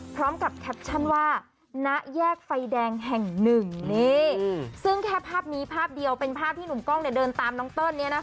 พร้อมกับแคปชั่นว่าณแยกไฟแดงแห่งหนึ่งนี่ซึ่งแค่ภาพนี้ภาพเดียวเป็นภาพที่หนุ่มกล้องเดินตามน้องเติ้ล